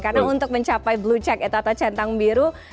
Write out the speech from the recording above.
karena untuk mencapai blue check atau centang biru